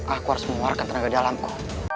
aku harus mengeluarkan tenaga dalamku